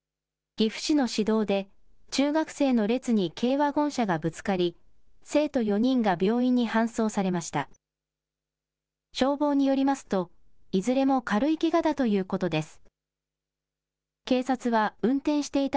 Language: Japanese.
岐阜市の市道で、中学生の列に軽ワゴン車がぶつかり、生徒４人が病院に搬送されました。